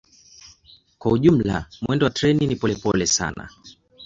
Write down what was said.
Kwa jumla mwendo wa treni ni polepole sana.